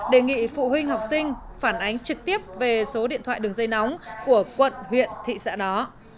đề nghị phụ huynh học sinh phản ánh trực tiếp về số điện thoại đường dây nóng của quận huyện thị xã đó